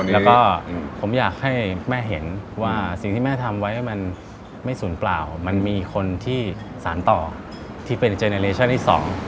แล้วก็ผมอยากให้แม่เห็นว่าสิ่งที่แม่ทำไว้มันไม่สูญเปล่ามันมีคนที่สารต่อที่เป็นเจเนเลชั่นที่๒